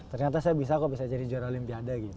ternyata saya bisa kok bisa jadi juara olimpiade gitu